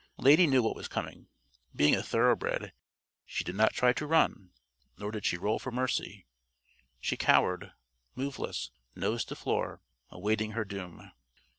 Lady knew what was coming. Being a thoroughbred, she did not try to run, nor did she roll for mercy. She cowered, moveless, nose to floor, awaiting her doom.